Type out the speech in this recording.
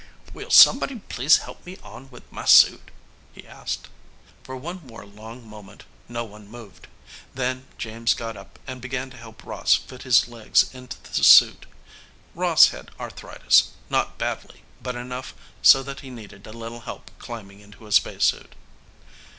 "Will somebody please help me on with my suit?" he asked. For one more long moment, no one moved. Then James got up and began to help Ross fit his legs into the suit. Ross had arthritis, not badly, but enough so that he needed a little help climbing into a spacesuit.